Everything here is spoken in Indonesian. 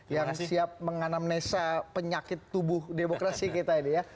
yang siap menganam nesa penyakit tubuh demokrasi kita